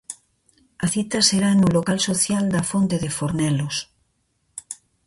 A cita será no local social da fonte de Fornelos.